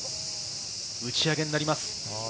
打ち上げになります。